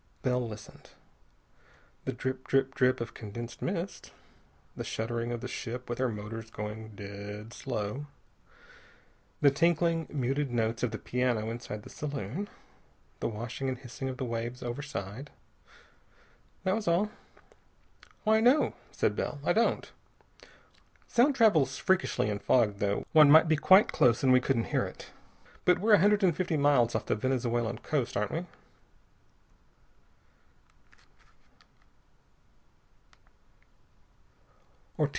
Bell listened. The drip drip drip of condensed mist. The shuddering of the ship with her motors going dead slow. The tinkling, muted notes of the piano inside the saloon. The washing and hissing of the waves overside. That was all. "Why, no," said Bell. "I don't. Sound travels freakishly in fog, though. One might be quite close and we couldn't hear it. But we're a hundred and fifty miles off the Venezuelan coast, aren't we?"